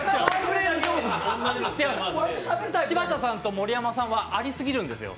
違うんです、柴田さんと盛山さんはありすぎるんですよ。